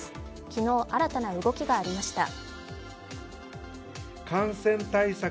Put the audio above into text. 昨日、新たな動きがありました。